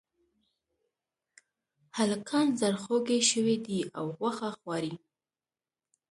هلکان زړخوږي شوي دي او غوښه غواړي